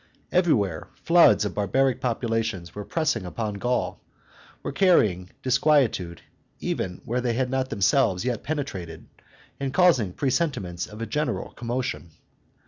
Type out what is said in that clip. Everywhere floods of barbaric populations were pressing upon Gaul, were carrying disgnietude even where they had not themselves yet penetrated, and causing presentiments of a general commotion.